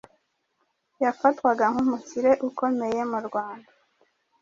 yafatwaga nk’umukire ukomeye mu Rwanda,